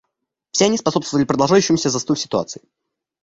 Все они способствовали продолжающемуся застою в ситуации.